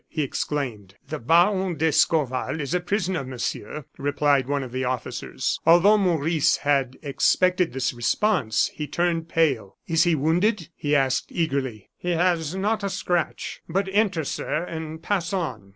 he exclaimed. "The Baron d'Escorval is a prisoner, Monsieur," replied one of the officers. Although Maurice had expected this response, he turned pale. "Is he wounded?" he asked, eagerly. "He has not a scratch. But enter, sir, and pass on."